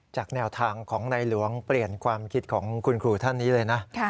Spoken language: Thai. แนวทางของในหลวงเปลี่ยนความคิดของคุณครูท่านนี้เลยนะ